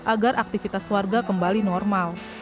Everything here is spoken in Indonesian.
agar aktivitas warga kembali normal